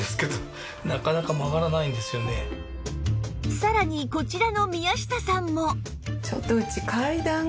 さらにこちらの宮下さんも